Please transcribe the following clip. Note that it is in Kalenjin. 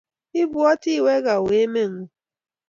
Kibbwoti iweke auyo emet ngung?